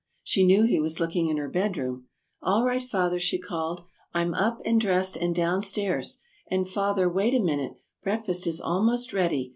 She knew he was looking in her bedroom. "All right, Father," she called; "I'm up and dressed and downstairs and, Father, wait a minute; breakfast is almost ready.